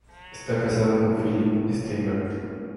Está casada con Philip Sternberg.